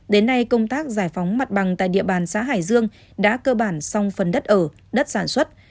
đến nay công tác giải phóng mặt bằng tại địa bàn xã hải dương đã cơ bản xong phần đất ở đất sản xuất